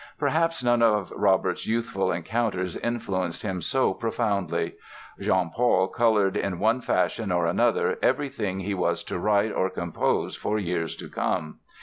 Perhaps none of Robert's youthful encounters influenced him so profoundly. Jean Paul colored in one fashion or another everything he was to write or compose for years to come.